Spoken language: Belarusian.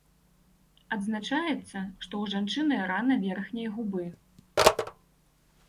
Адзначаецца, што ў жанчыны рана верхняй губы.